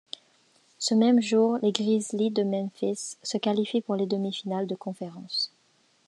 Ce même jour, les Grizzlies de Memphis se qualifient pour les demi-finales de conférence.